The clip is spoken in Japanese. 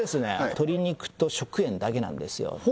鶏肉と食塩だけなんですよ